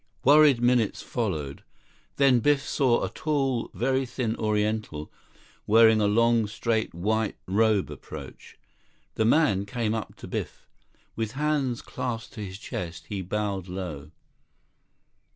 28 Worried minutes followed. Then Biff saw a tall, very thin Oriental, wearing a long, straight white robe approach. The man came up to Biff. With hands clasped to his chest, he bowed low.